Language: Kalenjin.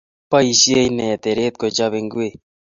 Boisie ine teret ko chopee ngwek